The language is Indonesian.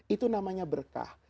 itu namanya berkah